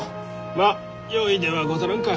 まあよいではござらんか。